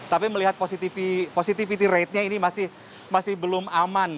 tapi melihat positivity ratenya ini masih belum aman